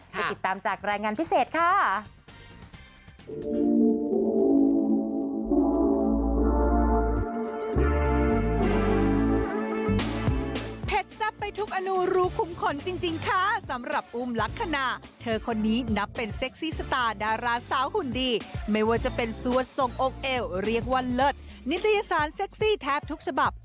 ไปติดตามจากรายงานพิเศษค่ะ